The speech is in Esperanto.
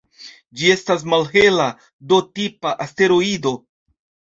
Ĝi estas malhela D-tipa asteroido.